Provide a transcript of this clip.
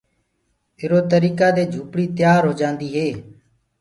اِرو تريڪآ دي جُھوپڙي تيآر هوجآندي هي۔